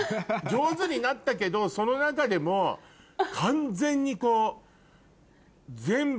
上手になったけどその中でも完全に。